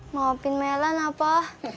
maafin melan apa